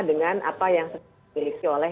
dengan apa yang dimiliki oleh